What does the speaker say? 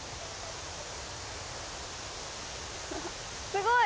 すごい！